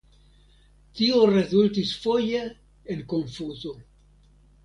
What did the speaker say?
Tio rezultis foje en konfuzo.